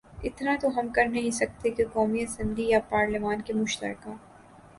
اتنا تو ہم کرنہیں سکتے کہ قومی اسمبلی یا پارلیمان کے مشترکہ